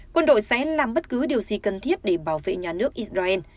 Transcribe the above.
quân đội sẽ làm bất cứ điều gì cần thiết để bảo vệ nhà nước israel